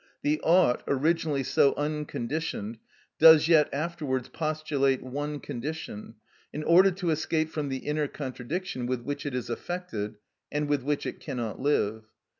The ought originally so unconditioned does yet afterwards postulate one condition, in order to escape from the inner contradiction with which it is affected and with which it cannot live.